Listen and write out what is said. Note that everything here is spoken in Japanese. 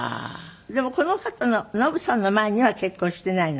でもこの方のノヴさんの前には結婚していないの？